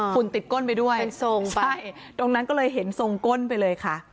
ฝุ่นติดก้นไปด้วยใช่ตรงนั้นก็เลยเห็นทรงก้นไปเลยค่ะ